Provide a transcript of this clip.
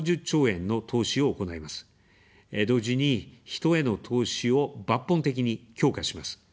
同時に、人への投資を抜本的に強化します。